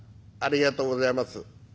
「ありがとうございます。